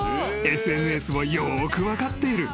［ＳＮＳをよく分かっている］